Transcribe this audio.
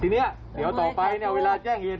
ทีนี้เดี๋ยวต่อไปเวลาแจ้งเฮียน